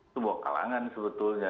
semua kalangan sebetulnya